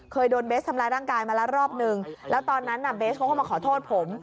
เคยโดนเบสทำร้ายร่างกายมาแล้วรอบนึงแล้วตอนนั้นน่ะเบสเขาก็มาขอโทษผม